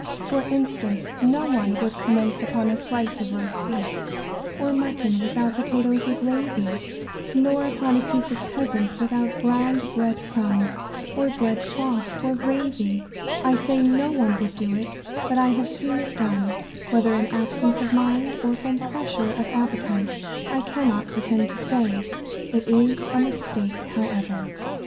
For instance, no one would commence upon a slice of roast beef or mutton without potatoes or gravy, nor upon a piece of pheasant without browned bread crumbs, or bread sauce, or gravy. I say "no one" would do it, but I have seen it done, whether in absence of mind or from pressure of appetite I cannot pretend to say. It is a mistake, however. [Sidenote: Sweets and cheese.